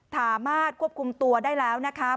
สามารถควบคุมตัวได้แล้วนะคะ